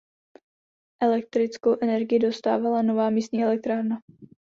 Elektrickou energii dodávala nová místní elektrárna.